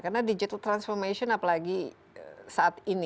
karena digital transformation adalah perusahaan yang sangat bergengsi